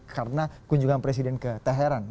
karena kunjungan presiden ke teheran